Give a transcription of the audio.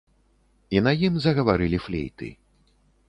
І на ім загаварылі флейты.